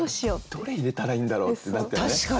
どれ入れたらいいんだろうってなったよね。